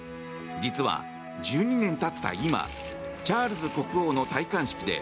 実は１２年経った今チャールズ国王の戴冠式で